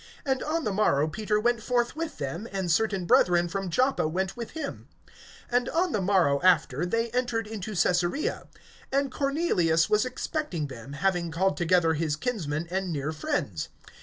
And on the morrow Peter went forth with them, and certain brethren from Joppa went with him. (24)And on the morrow after, they entered into Caesarea. And Cornelius was expecting them, having called together his kinsmen and near friends.